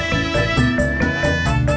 gue tungguin aja